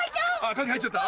影入っちゃった。